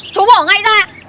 chú bỏ ngay ra